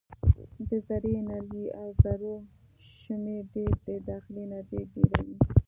د ذرې انرژي او ذرو شمیر ډېر د داخلي انرژي ډېروي.